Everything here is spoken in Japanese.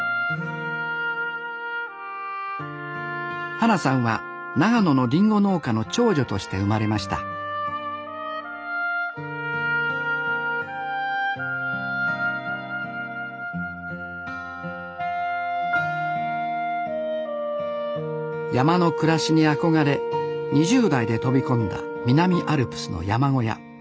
花さんは長野のりんご農家の長女として生まれました山の暮らしに憧れ２０代で飛び込んだ南アルプスの山小屋。